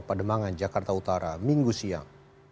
pademangan jakarta utara minggu siang